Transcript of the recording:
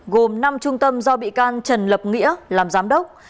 gồm năm trung tâm do bị can trần lập nghĩa làm giám đốc